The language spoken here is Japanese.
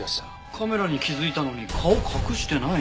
カメラに気づいたのに顔隠してないね。